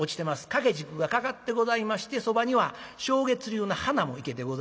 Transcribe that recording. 掛け軸がかかってございましてそばには松月流の花も生けてございます。